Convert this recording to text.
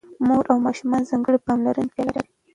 مور او ماشوم ځانګړې پاملرنې ته اړتيا لري.